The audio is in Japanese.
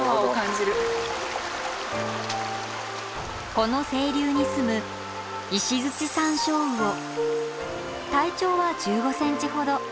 この清流に住む体長は１５ｃｍほど。